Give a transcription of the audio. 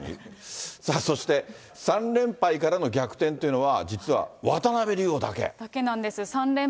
そして３連敗からの逆転というのは、だけなんです。